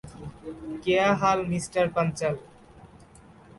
ক্যা হাল মিস্টার পাঞ্চাল?